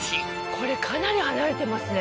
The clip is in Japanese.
これかなり離れてますね